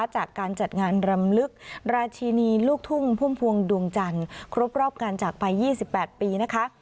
จากการจัดงานรำลึกราชินีลูกทุ่งพุ่มพวงดวงจันทร์ครบรอบการจากไป๒๘ปีนะคะ